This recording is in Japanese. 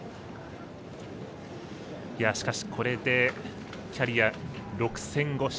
しかし、これでキャリア６戦５勝。